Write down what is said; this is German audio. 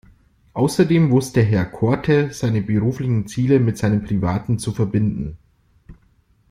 Außerdem wusste Herr Korte seine beruflichen Ziele mit seinen privaten zu verbinden.